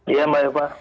iya mbak yopa